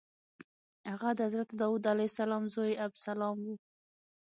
هغه د حضرت داود علیه السلام زوی ابسلام و.